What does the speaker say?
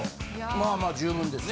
まあまあ十分ですよ。